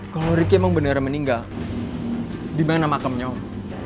kalau ricky emang beneran meninggal di mana makamnya om